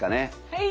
はい。